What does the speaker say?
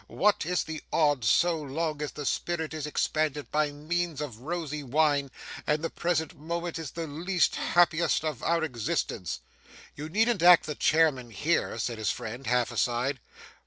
What is the odds so long as the spirit is expanded by means of rosy wine, and the present moment is the least happiest of our existence!' 'You needn't act the chairman here,' said his friend, half aside.